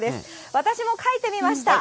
私も書いてみました。